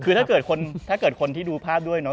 คือถ้าเกิดคนที่ดูภาพด้วยเนาะ